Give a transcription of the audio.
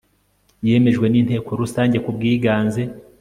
yemejwe n inteko rusange ku bwiganze